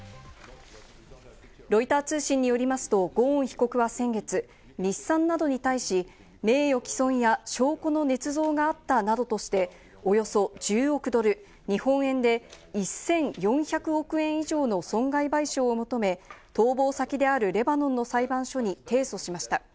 ロイター通信によりますと、ゴーン被告は先月、日産などに対し、名誉毀損や証拠の捏造があったなどとして、およそ１０億ドル、日本円で１４００億円以上の損害賠償を求め、逃亡先であるレバノンの裁判所に提訴しました。